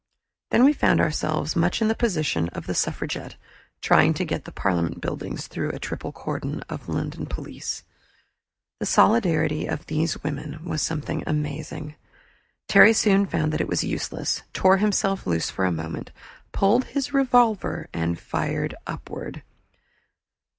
Then we found ourselves much in the position of the suffragette trying to get to the Parliament buildings through a triple cordon of London police. The solidity of those women was something amazing. Terry soon found that it was useless, tore himself loose for a moment, pulled his revolver, and fired upward.